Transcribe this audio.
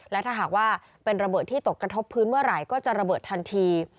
และถ้าหากว่าเป็นระเบิดที่ตกกระทบพื้นเมื่อไหร่ก็จะระเบิดทันที